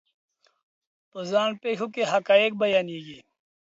په ځان پېښو کې حقایق بیانېږي.